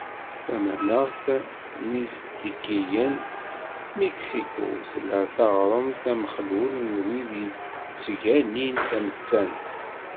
Tamaneɣt n Yiztikiyen, Miksiku, tella d aɣrem amexlul n wid yettganin tamettant.